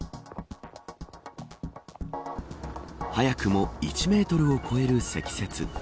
早くも１メートルを超える積雪。